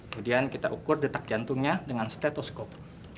kemudian kita ukur detak jantungnya dengan stetoscop